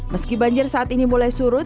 meski banjir saat ini mulai surut